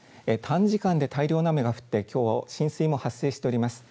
短時間で大量の雨が降ってきょう浸水も発生しております。